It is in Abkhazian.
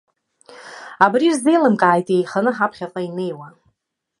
Абри рзеиламкааит иеиханы ҳаԥхьаҟа инеиуа.